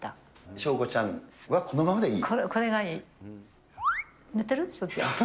翔子ちゃんはこのままでいい？